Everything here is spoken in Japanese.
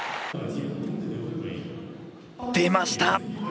出ました！